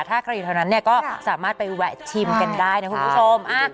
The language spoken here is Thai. ถ้าใครอยู่แถวนั้นเนี่ยก็สามารถไปแวะชิมกันได้นะคุณผู้ชม